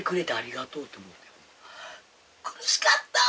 苦しかったん？